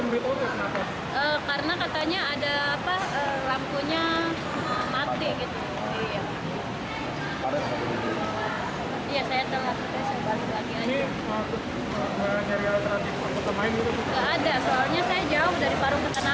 ternyata ada lampunya mati